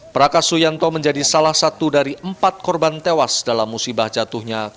praka suyanto menjadi salah satu dari empat korban tewas dalam musibah jatuhnya